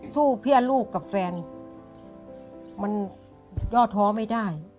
สู้เพื่อลูกกับแฟนมันย่อท้อไม่ได้